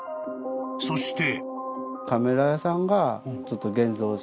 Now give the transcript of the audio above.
［そして］